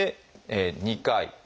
２回。